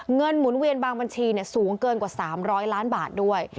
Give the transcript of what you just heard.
หมุนเวียนบางบัญชีสูงเกินกว่า๓๐๐ล้านบาทด้วย